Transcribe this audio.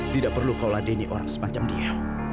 tidak perlu kaulah denny orang semacam dia